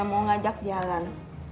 mau ngajak jalan